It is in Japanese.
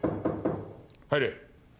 入れ。